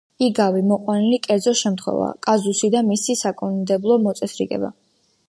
იგავი — მოყვანილი კერძო შემთხვევა, კაზუსი და მისი საკანონმდებლო მოწესრიგება